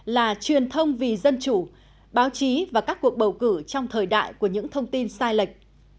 là truyền thông vì dân chủ báo chí và các cuộc bầu cử trong thời đại của những thông tin sai lệch